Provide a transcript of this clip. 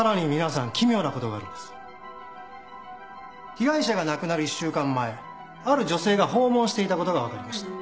被害者が亡くなる１週間前ある女性が訪問していたことが分かりました。